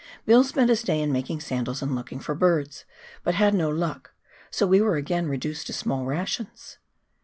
Bill spent this day in making sandals and looking for birds, but had no luck, so we were again reduced to small rations.